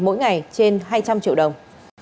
mỗi ngày trên hai trăm linh triệu đồng